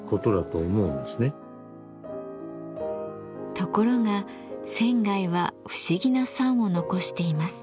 ところが仙は不思議な賛を残しています。